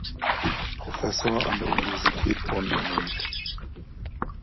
Professor an der Universität Bonn ernannt.